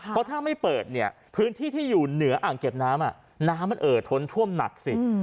เพราะถ้าไม่เปิดเนี่ยพื้นที่ที่อยู่เหนืออ่างเก็บน้ำน้ำมันเอ่อท้นท่วมหนักสิ